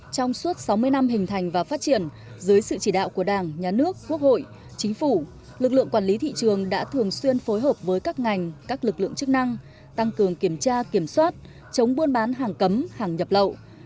trong suốt sáu mươi năm hình thành và phát triển dưới sự chỉ đạo của đảng nhà nước quốc hội chính phủ lực lượng quản lý thị trường đã thường xuyên phối hợp với các ngành các lực lượng chức năng tăng cường kiểm tra kiểm soát chống buôn bán hàng cấm hàng nhập lậu